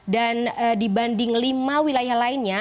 dan dibanding lima wilayah lainnya